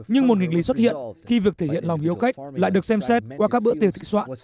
nhưng một nghịch lý xuất hiện khi việc thể hiện lòng hiếu khách lại được xem xét qua các bữa tiệc thị soạn